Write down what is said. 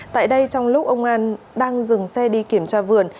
tại đây trong lúc ông an đang dừng xe đi kiểm tra vườn